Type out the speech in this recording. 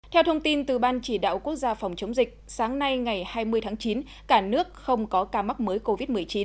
theo thông tin từ ban chỉ đạo quốc gia phòng chống dịch sáng nay ngày hai mươi tháng chín cả nước không có ca mắc mới covid một mươi chín